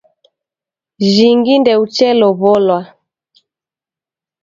Jingi ndeuchelow'olwa!